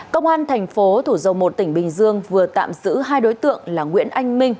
công an thành phố thủ dầu một tỉnh bình dương vừa tạm giữ hai đối tượng là nguyễn anh minh